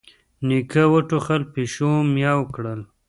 نيکه وټوخل، پيشو ميو کړل.